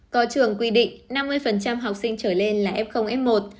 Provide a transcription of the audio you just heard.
có trường quy định năm mươi học sinh trở lên là f f một